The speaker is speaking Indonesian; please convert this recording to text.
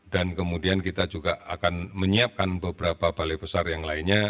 dan kemudian kita juga akan menyiapkan beberapa balai besar yang lainnya